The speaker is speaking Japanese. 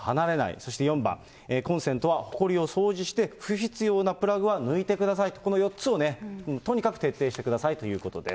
そして４番、コンセントはほこりを掃除して不必要なプラグは抜いてくださいと、この４つをね、とにかく徹底してくださいということです。